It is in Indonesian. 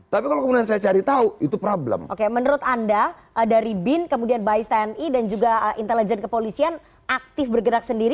tapi kalau kemudian saya cari tahu itu problem oke menurut anda dari bin kemudian bais tni dan juga intelijen kepolisian aktif bergerak sendiri